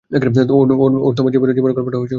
ওরা তোমার জীবনের গল্পটা বদলে দিয়েছে।